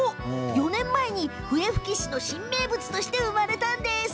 ４年前に笛吹市の新名物として生まれたんです。